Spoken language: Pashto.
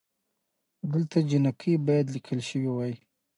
دلته جینکۍ بايد ليکل شوې وئ